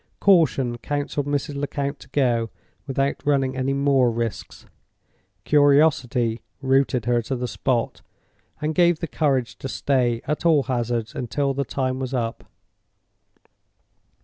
Caution counseled Mrs. Lecount to go, without running any more risks. Curiosity rooted her to the spot, and gave the courage to stay at all hazards until the time was up.